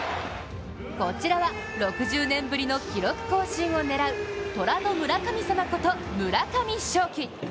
こちらは６０年ぶりの記録更新を狙うトラの村神様こと、村上頌樹。